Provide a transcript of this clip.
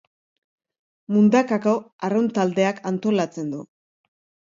Mundakako Arraun Taldeak antolatzen du.